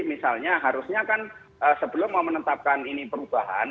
misalnya harusnya kan sebelum mau menetapkan ini perubahan